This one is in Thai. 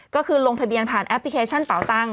ก็คือลงทะเบียนผ่านแอปพลิเคชันเป่าตังค